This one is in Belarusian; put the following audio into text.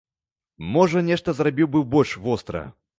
Можа, нешта зрабіў бы больш востра.